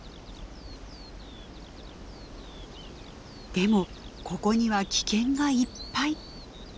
でもここには危険がいっぱい。